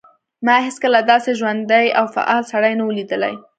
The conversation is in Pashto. ما هیڅکله داسې ژوندی او فعال سړی نه و لیدلی